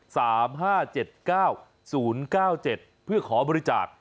สามห้าเจ็ดเก้าศูนย์เก้าเจ็ดเพื่อขอบริจาค